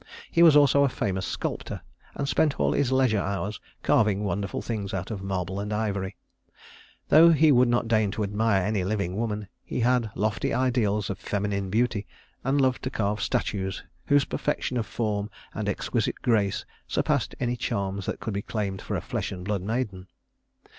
He was also a famous sculptor, and spent all his leisure hours carving wonderful things out of marble and ivory. Though he would not deign to admire any living woman, he had lofty ideals of feminine beauty, and loved to carve statues whose perfection of form and exquisite grace surpassed any charms that could be claimed for a flesh and blood maiden.